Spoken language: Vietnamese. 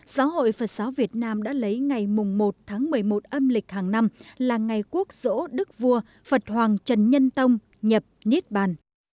giáo hội phật giáo việt nam đã lấy ngày một tháng một mươi một âm lịch hàng năm là ngày quốc dỗ đức vua phật hoàng trần nhân tông nhập niết bàn